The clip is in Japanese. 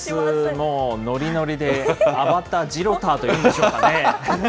もうのりのりで、アバター、じろたーというんでしょうかね。